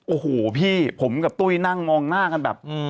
โอ้โหพี่ผมกับตุ้ยนั่งมองหน้ากันแบบ